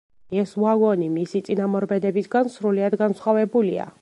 ეს ვაგონი მისი წინამორბედებისგან სრულიად განსხვავებულია.